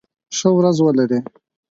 ښه ورځ ولری